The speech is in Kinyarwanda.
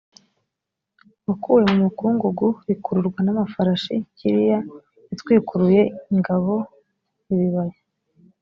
wakuwe mu mukungugu rikururwa n amafarashi kiria yatwikuruye ingabo ibibaya